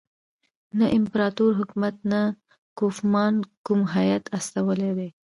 نه امپراطور حکومت نه کوفمان کوم هیات استولی دی.